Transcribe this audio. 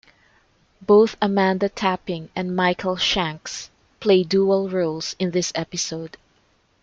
Both Amanda Tapping and Michael Shanks play dual roles in this episode.